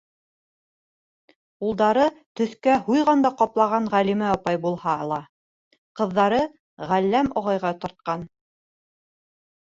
Улдары төҫкә һуйған да ҡаплаған Ғәлимә апай булһа ла, ҡыҙҙары Ғәлләм ағайға тартҡан.